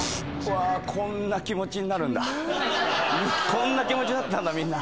こんな気持ちになってたんだみんな。